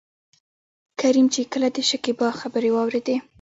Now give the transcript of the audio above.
کريم چې کله دشکيبا خبرې واورېدې.